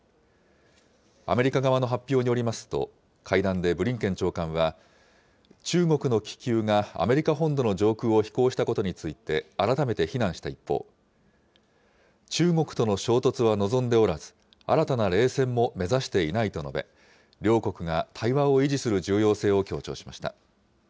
アメリカ側の発表によりますと、会談でブリンケン長官は、中国の気球がアメリカ本土の上空を飛行したことについて、改めて非難した一方、中国との衝突は望んでおらず、新たな冷戦も目指していないと述べ、両国が対話を維持する重要性を強調しました。